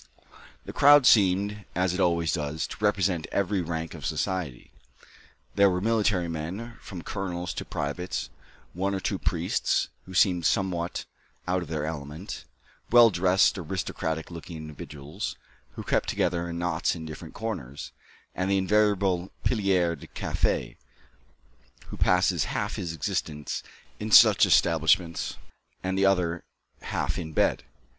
The crowd seemed, as it always does, to represent every rank of society. There were military men, from colonels to privates; one or two priests, who seemed somewhat out of their element; well dressed, aristocratic looking individuals, who kept together in knots in different corners; and the invariable pillier de café, who passes half his existence in such establishments, and the other half in bed.